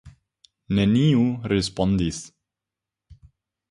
Neniu respondis.